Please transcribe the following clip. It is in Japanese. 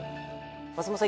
松本さん